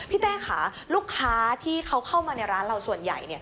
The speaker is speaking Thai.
เต้ค่ะลูกค้าที่เขาเข้ามาในร้านเราส่วนใหญ่